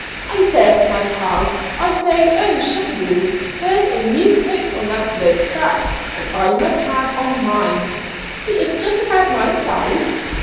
I says to my pal, 'I say, O'Shockady, there's a new coat on that bloke's back that I must have on mine; he is just about my size.